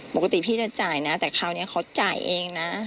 ปกติพี่จะจ่ายนะแต่คราวนี้เขาจ่ายเองนะ